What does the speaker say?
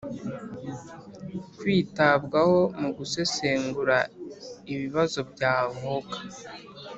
Kwitabwaho mu gusesengura ibibazo byavuka